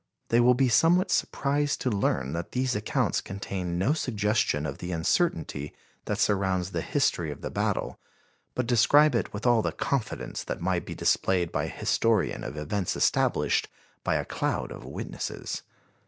They will be somewhat surprised to learn that these accounts contain no suggestion of the uncertainty that surrounds the history of the battle, but describe it with all the confidence that might be displayed by a historian of events established by a cloud of witnesses.